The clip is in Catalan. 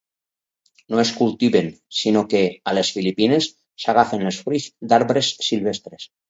No es cultiven sinó que, a les Filipines, s'agafen els fruits d'arbres silvestres.